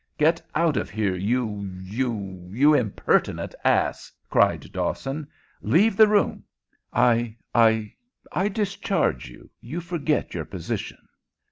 "Get out of here, you you you impertinent ass!" cried Dawson. "Leave the room! I I I discharge you! You forget your position!"